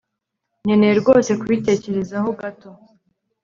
Nkeneye rwose kubitekerezaho gato